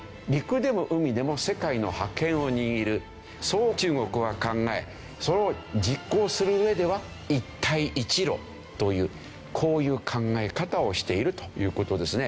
そう中国は考えそれを実行する上では一帯一路というこういう考え方をしているという事ですね。